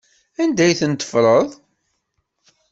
Anda ay ten-teffreḍ?